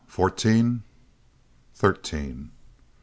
Fourteen?" "Thirteen."